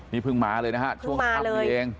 นี่เพิ่งมาเลยนะคะเพิ่งมาเลย